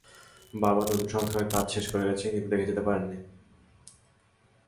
বাবা নতুন সংস্করণের কাজ শেষ করে গেছেন, কিন্তু দেখে যেতে পারেননি।